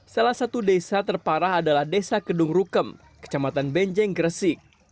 salah satu desa terparah adalah desa kedung rukem kecamatan benjeng gresik